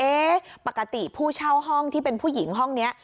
ปกติผู้เช่าห้องที่เป็นผู้หญิงห้องนี้